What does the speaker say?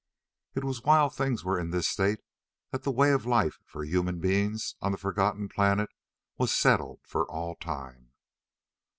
It was while things were in this state that the way of life for human beings on the forgotten planet was settled for all time.